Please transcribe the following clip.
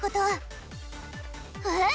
えっ？